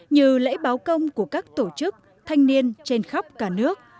như lễ báo công của các tổ chức thanh niên trên khắp cả nước